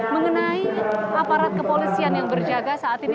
mengenai aparat kepolisian yang berjaga saat ini